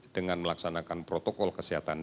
dengan melaksanakan protokol kesehatan